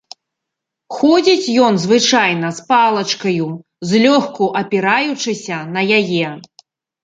Ходзіць ён звычайна з палачкаю, злёгку апіраючыся на яе.